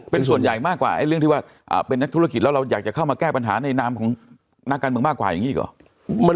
เป็นส่วนใหญ่มากกว่าเรื่องที่ว่าเป็นนักธุรกิจแล้วเราอยากจะเข้ามาแก้ปัญหาในนามของนักการเมืองมากกว่าอย่างนี้อีกหรอ